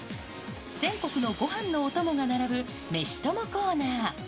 全国のごはんのお供が並ぶ、めしともコーナー。